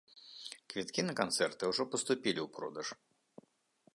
Квіткі на канцэрты ўжо паступілі ў продаж.